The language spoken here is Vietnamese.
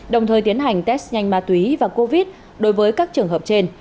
đồng thời tiến hành test nhanh ma túy và covid đối với các trường hợp trên